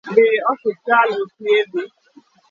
Dhi osiptal othiedhi.